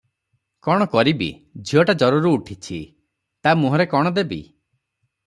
କ’ଣ କରିବି, ଝିଅଟା ଜରରୁ ଉଠିଛି, ତା’ ମୁହଁରେ କ’ଣ ଦେବି?